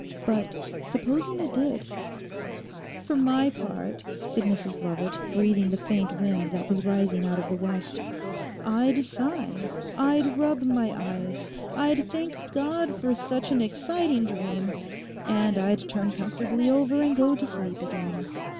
But supposing it did?' 'For my part,' said Mrs Lovat, breathing the faint wind that was rising out of the west, 'I'd sigh; I'd rub my eyes; I'd thank God for such an exciting dream; and I'd turn comfortably over and go to sleep again.